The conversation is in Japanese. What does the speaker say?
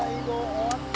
終わった！